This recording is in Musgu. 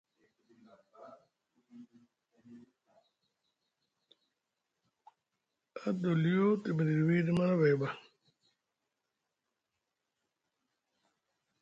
Adoliyo te miɗiɗi wiɗi manavay ɓa.